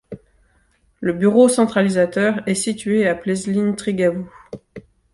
Le bureau centralisateur est situé à Pleslin-Trigavou.